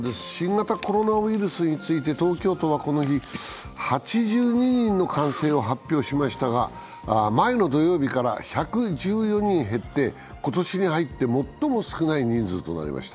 新型コロナウイルスについて東京都はこの日、８２人の感染を発表しましたが、前の土曜日から１１４人減って今年に入って最も少ない人数となりました。